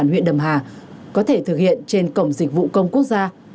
công an huyện đầm hà có thể thực hiện trên cổng dịch vụ công quốc gia